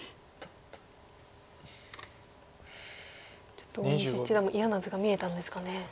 ちょっと大西七段も嫌な図が見えたんですかね。